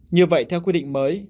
như vậy theo quy định mới